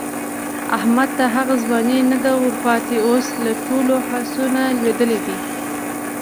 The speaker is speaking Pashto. احمد ته هغه ځواني نه ده ورپاتې، اوس له ټولو هڅو نه لوېدلی دی.